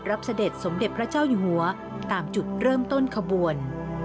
เสด็จสมเด็จพระเจ้าอยู่หัวตามจุดเริ่มต้นขบวน